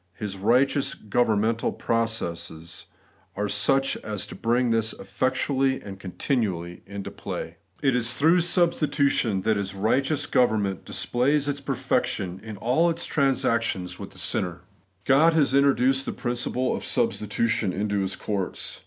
His righteous governmental processes, are such as to bring this effectually and continually into play. It is through substitution that His righteous government dis plays its perfection in all its transactions with the sinner. 16 The Everlasting Righteousness. God has introduced the principle of substitution into His courts.